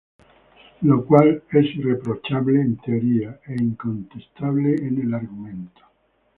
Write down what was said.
lo cual es irreprochable en teoría e incontestable en el argumento